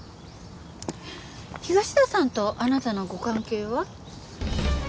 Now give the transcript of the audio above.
東田さんとあなたのご関係は？